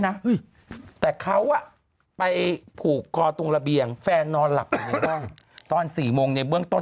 นะแต่เขาอ่ะไปผูกคอตรงระเบียงแฟนนอนหลับยังไงบ้างตอน๔โมงในเบื้องต้น